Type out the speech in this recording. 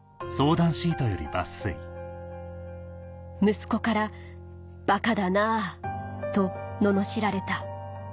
「息子から『バカだなぁ』とののしられた」